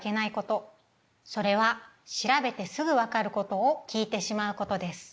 それは調べてすぐわかることを聞いてしまうことです。